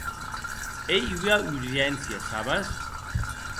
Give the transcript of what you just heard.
Ei ua urgéncia, sabes.